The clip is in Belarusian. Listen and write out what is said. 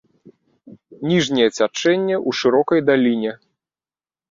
Ніжняе цячэнне ў шырокай даліне.